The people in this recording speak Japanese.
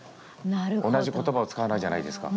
同じ言葉を使わないじゃないですか。